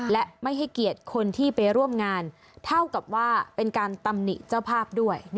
และไม่ให้เกียรติคนที่ไปร่วมงานเท่ากับว่าเป็นการตำหนิเจ้าภาพด้วย